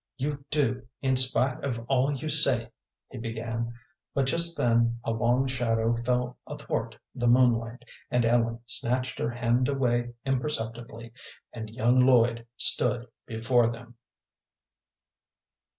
"You do, in spite of all you say " he began; but just then a long shadow fell athwart the moonlight, and Ellen snatched her hand away imperceptibly, and young Lloyd stood before them.